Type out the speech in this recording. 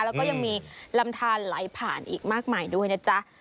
แล้วก็ยังมีลำทานไหลผ่านอีกมากมายด้วยนะจ๊ะ